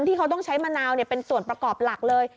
ที่เขาต้องใช้มะนาวเป็นส่วนประกอบหลักเลย